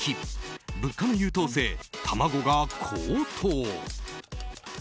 物価の優等生、卵が高騰。